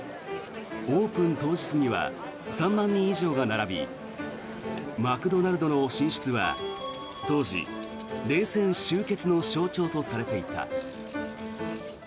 オープン当日には３万人以上が並びマクドナルドの進出は当時、冷戦終結の象徴とされていた。